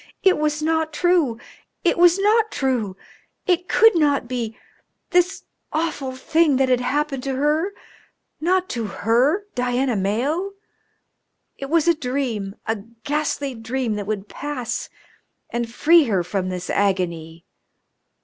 It was not true! It was not true! It could not be this awful thing that had happened to her not to her, Diana Mayo! It was a dream, a ghastly dream that would pass and free her from this agony.